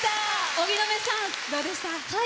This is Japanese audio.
荻野目さん、どうでした？